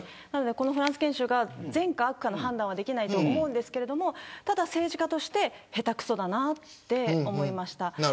フランス研修が善か悪かの判断はできないと思うんですけど政治家として下手くそだなと思いました。